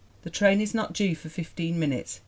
The train is not due for fifteen minutes.